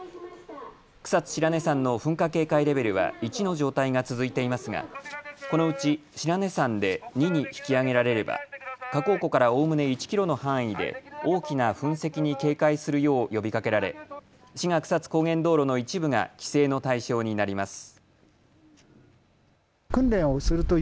草津白根山の噴火警戒レベルは１の状態が続いていますがこのうち白根山で２に引き上げられれば火口湖からおおむね１キロの範囲で大きな噴石に警戒するよう呼びかけられ志賀草津高原道路の一部が規制の対象になります。